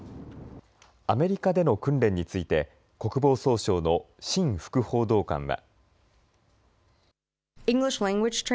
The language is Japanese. アメリカでの訓練について国防総省のシン副報道官は。